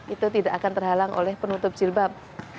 itu tidak akan terhalang oleh penutup jilbab